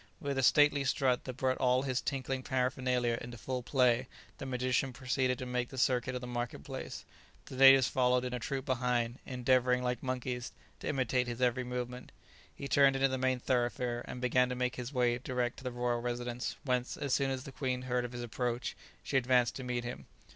With a stately strut that brought all his tinkling paraphernalia into full play, the magician proceeded to make the circuit of the market place. The natives followed in a troop behind, endeavouring, like monkeys, to imitate his every movement. He turned into the main thoroughfare, and began to make his way direct to the royal residence, whence, as soon as the queen heard of his approach, she advanced to meet him.